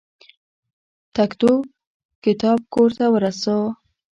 تکتو کتاب کور ته ورسه.